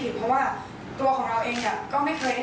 เพราะว่าตัวของเราเองเนี่ย